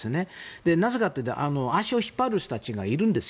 なぜかというと足を引っ張る人たちがいるんです。